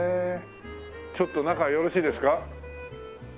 ちょっと中よろしいですか？